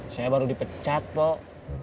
saya baru dipecat pok